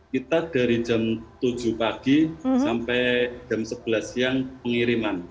kita dari jam tujuh pagi sampai jam sebelas siang pengiriman